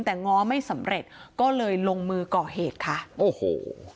แต่ง้อไม่สำเร็จก็เลยลงมือก่อเหตุค่ะโอ้โห